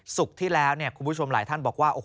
ศุกร์ที่แล้วคุณผู้ชมหลายท่านบอกว่า